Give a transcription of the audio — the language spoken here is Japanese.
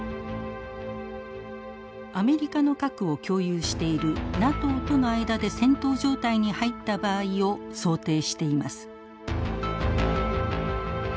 アメリカの核を共有しているＮＡＴＯとの間で戦闘状態に入った場合を想定しています。